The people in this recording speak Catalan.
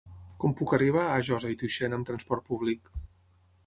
Com puc arribar a Josa i Tuixén amb trasport públic?